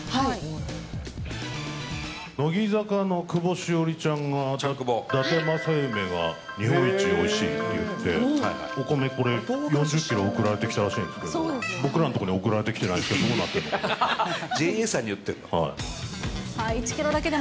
乃木坂の久保しおりちゃんが、だて正夢が日本一おいしいって言って、お米これ、４０キロ送られてきたらしいんですけど、僕らの所に送られてきてないですけど、どうなってんのかな？